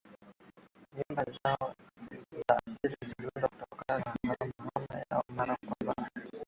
Nyumba zao za asili ziliundwa kutokana na hama hama yao mara kwa mara